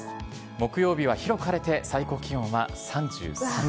木曜日は広く晴れて、最高気温は３３度。